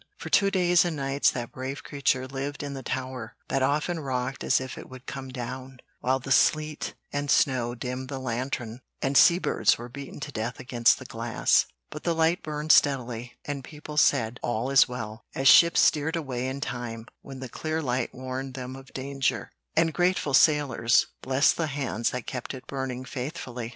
For two days and nights that brave creature lived in the tower, that often rocked as if it would come down, while the sleet and snow dimmed the lantern, and sea birds were beaten to death against the glass. But the light burned steadily, and people said, 'All is well,' as ships steered away in time, when the clear light warned them of danger, and grateful sailors blessed the hands that kept it burning faithfully."